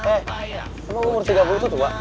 eh emang umur tiga puluh itu tua